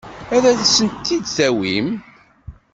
Ad asent-tent-id-tawim?